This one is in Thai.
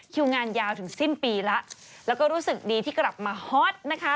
คิวงานยาวถึงสิ้นปีแล้วแล้วก็รู้สึกดีที่กลับมาฮอตนะคะ